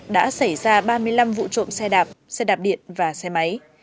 đã xảy ra ba mươi năm vụ trộm xe đạp xe đạp điện và xe máy